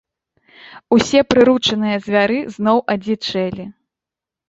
Усе прыручаныя звяры зноў адзічэлі.